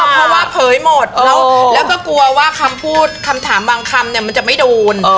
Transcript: เพราะว่าเผยหมดแล้วก็กลัวว่าคำพูดคำถามบางคำเนี่ยมันจะไม่โดน